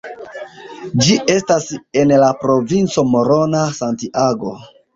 Ĝi estas en la provinco Morona-Santiago.